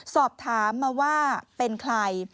สอบถามมาว่าเป็นใคร